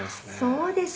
「そうですか」